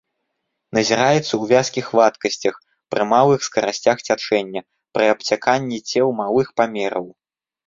Назіраецца ў вязкіх вадкасцях, пры малых скарасцях цячэння, пры абцяканні цел малых памераў.